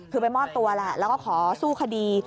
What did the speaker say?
คือไปมอบตัวแหละแล้วก็ขอสู้คดี